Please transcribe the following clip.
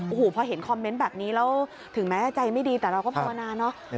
อูหูพอเห็นคอมเมนต์แบบนี้ถึงแม้ใจไม่ดีแต่เราก็พร้อมนะ